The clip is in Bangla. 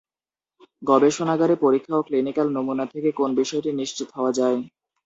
গবেষণাগারে পরীক্ষা ও ক্লিনিক্যাল নমুনা থেকে কোন বিষয়টি নিশ্চিত হওয়া যায়?